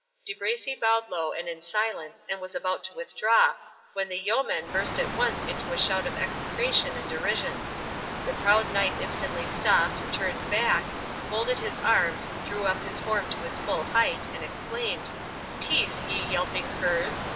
De Bracy bowed low and in silence, and was about to withdraw, when the yeomen burst at once into a shout of execration and derision. The proud knight instantly stopped, turned back, folded his arms, drew up his form to its full height, and exclaimed, "Peace, ye yelping curs!